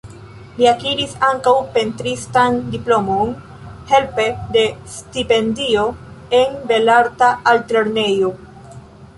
Li akiris ankaŭ pentristan diplomon helpe de stipendio en Belarta Altlernejo.